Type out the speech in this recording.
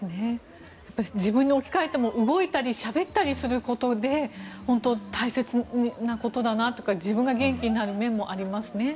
自分に置き換えても動いたりしゃべったりすることで本当、大切なことだなとか自分が元気になる面もありますね。